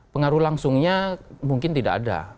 pengaruh langsungnya mungkin tidak ada